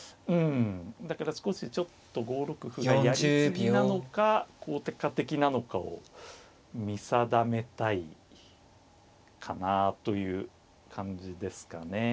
だから少しちょっと５六歩がやり過ぎなのか効果的なのかを見定めたいかなという感じですかね。